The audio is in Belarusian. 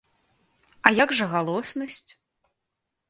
А як жа галоснасць?